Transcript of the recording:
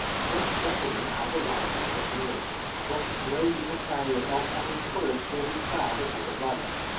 This gentleman has a right to his opinion, but no Unitarian of any courage will be proud of his advice.